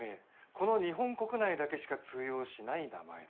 この日本国内だけしか通用しない名前だ。